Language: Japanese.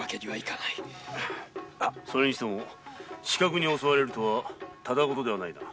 それにしても刺客に襲われるとはただ事ではないな。